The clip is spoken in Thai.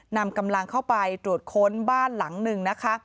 นำกำลังเข้าไปตรวจค้นบ้านหลังหนึ่งนะคะ